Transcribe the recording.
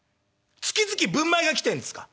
月々ぶんまいが来てんですか。